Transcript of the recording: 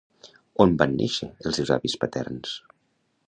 On van néixer els seus avis paterns?